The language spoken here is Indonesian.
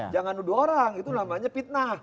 jangan nuduh orang itu namanya fitnah